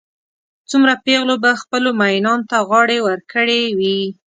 څومره پېغلو به خپلو مئینانو ته غاړې ورکړې وي.